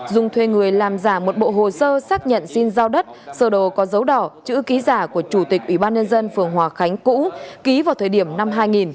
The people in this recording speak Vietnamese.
dung thuê người làm giả một bộ hồ sơ xác nhận xin giao đất sở đồ có dấu đỏ chữ ký giả của chủ tịch ủy ban nhân dân phường hòa khánh cũ ký vào thời điểm năm hai nghìn